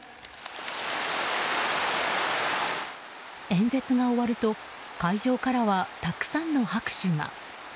演説が終わると会場からはたくさんの拍手が。